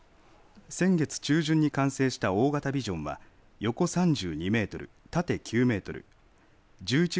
先月中旬に完成した大型ビジョンは横３２メートル、縦９メートル。